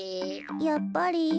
やっぱり。